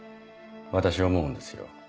私思うんですよ。